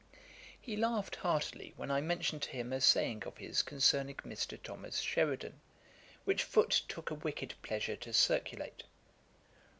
He laughed heartily, when I mentioned to him a saying of his concerning Mr. Thomas Sheridan, which Foote took a wicked pleasure to circulate.